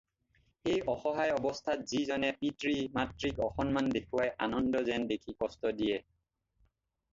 এই অসহায় অৱস্থাত যি জনে পিতৃ মাতৃক অসম্মান দেখুৱাই আনন্দ যেন দেখি কষ্ট দিয়ে